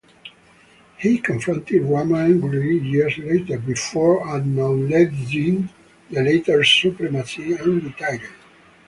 He confronted Rama angrily years later, before acknowledging the latter's supremacy and retiring.